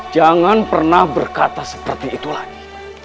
jangan pernah berkata seperti itu lagi